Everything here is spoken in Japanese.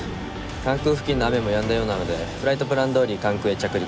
関空付近の雨もやんだようなのでフライトプランどおり関空へ着陸します。